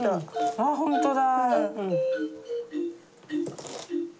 あっ本当だ！